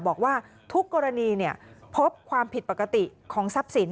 บอกว่าทุกกรณีพบความผิดปกติของทรัพย์สิน